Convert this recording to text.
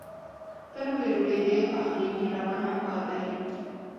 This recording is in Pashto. تنور د ډوډۍ د پخلي مهربان همکار دی